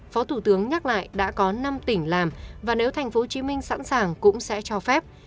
phó thủ tướng nhắc lại đã có năm tỉnh làm và nếu tp hcm sẵn sàng cũng sẽ cho phép